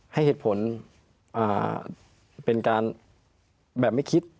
ให้เหตุผลเป็นการแบบไม่คิด